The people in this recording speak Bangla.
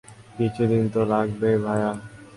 কিছুদিন তো লাগবেই, ভাইয়া।